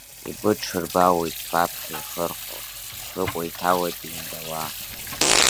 Ибыдҽырбалоит баԥхьа ихырхәо, быкәа иҭалоит беимдауа.